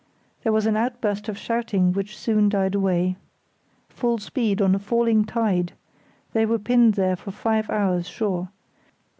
There was an outburst of shouting which soon died away. Full speed on a falling tide! They were pinned there for five hours sure.